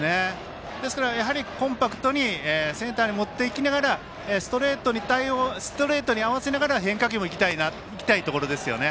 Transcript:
ですから、やはりコンパクトにセンターに持っていきながらストレートに合わせながら変化球も行きたいところですよね。